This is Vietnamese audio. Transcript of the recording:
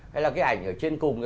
hay là cái ảnh ở trên cùng